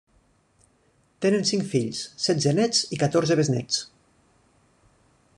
Tenen cinc fills, setze néts i catorze besnéts.